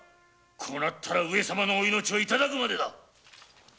こうなったら上様のお命を頂くまでだ。